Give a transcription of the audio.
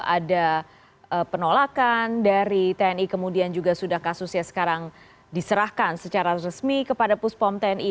ada penolakan dari tni kemudian juga sudah kasusnya sekarang diserahkan secara resmi kepada puspom tni